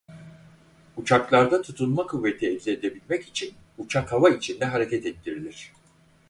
Uçaklarda tutunma kuvveti elde edebilmek için uçak hava içinde hareket ettirilir.